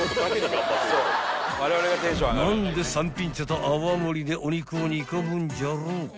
［何でさんぴん茶と泡盛でお肉を煮込むんじゃろうか？］